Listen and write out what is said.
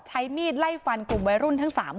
ใช้มีดไล่ฟันกลุ่มวัยรุ่นทั้ง๓คน